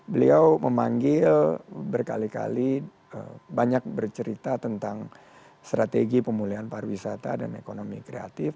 beliau memanggil berkali kali banyak bercerita tentang strategi pemulihan pariwisata dan ekonomi kreatif